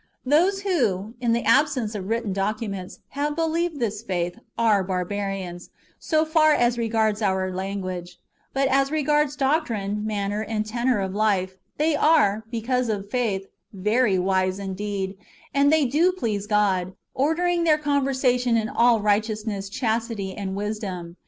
Those who, in the absence of written documents,^ have believed this faith, are barbarians, so far as regards our language ; but as regards doctrine, manner, and tenor of life, they are, because of faith, very wise indeed ; and they do please God, ordering their conversation in all righteousness, chastity, and wisdom.